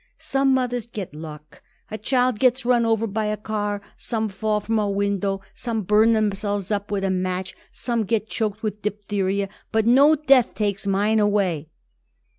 Some mothers got luck. A child gets run over by a car, some fall from a window, some burn themselves up with a match, some get choked with diphtheria; but no death takes mine away."